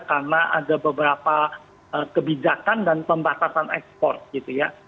karena ada beberapa kebijakan dan pembatasan ekspor gitu ya